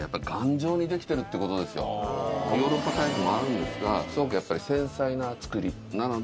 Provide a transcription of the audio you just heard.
ヨーロッパタイプもあるんですがすごく繊細な造りなので。